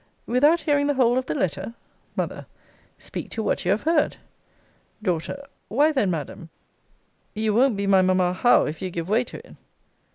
Without hearing the whole of the letter? M. Speak to what you have heard. D. Why then, Madam you won't be my mamma HOWE, if you give way to it.